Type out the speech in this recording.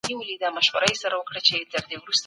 حميد الله حميد احمد فاني عبدالله ستورى